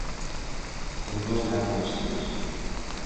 Frutos no conocidos.